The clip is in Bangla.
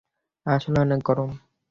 আসলেই অনেক গরম।